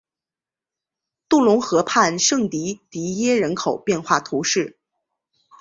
杜龙河畔圣迪迪耶人口变化图示